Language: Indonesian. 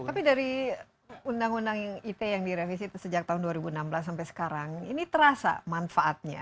tapi dari undang undang ite yang direvisi itu sejak tahun dua ribu enam belas sampai sekarang ini terasa manfaatnya